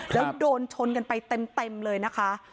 แล้วโดนชนกันไปเต็มเลยนะคะ